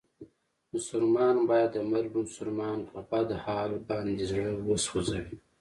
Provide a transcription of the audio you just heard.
مسلمان باید د بل مسلمان په بد حال باندې زړه و سوځوي.